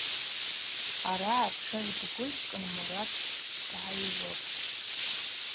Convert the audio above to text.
Араъа атшыгӏв дгвыжвкӏын Мурат дгӏайыжвылтӏ.